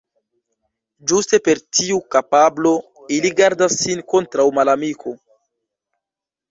Ĝuste per tiu kapablo ili gardas sin kontraŭ malamiko.